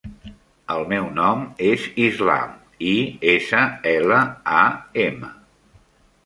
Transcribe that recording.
El meu nom és Islam: i, essa, ela, a, ema.